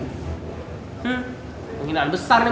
pengiraan besar nih